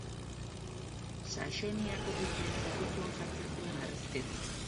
Saxoniako dukeen zerbitzuan jardun zuen harrezkero.